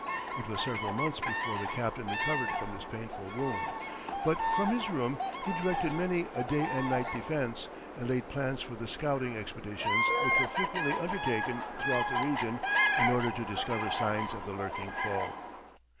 It was several months before the captain recovered from this painful wound; but from his room he directed many a day and night defense, and laid plans for the scouting expeditions which were frequently undertaken throughout the region in order to discover signs of the lurking foe.